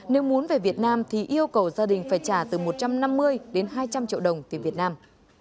nếu muốn về việt nam thì yêu cầu gia đình phải trả từ một trăm năm mươi đến hai trăm linh triệu đồng tiền việt nam